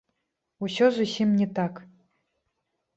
Усё зусім не так.